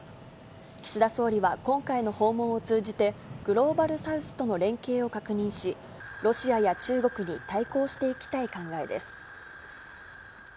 岸田総理は今回の訪問を通じて、グローバルサウスとの連携を確認し、ロシアや中国に対抗していきたい考えです。